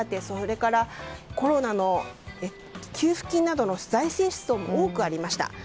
それからコロナの給付金などの財政出動も多くありました。